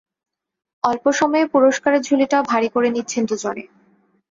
অল্প সময়ে পুরস্কারের ঝুলিটাও ভারী করে নিচ্ছেন দুজনে।